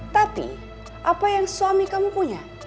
tapi apa yang suami kamu punya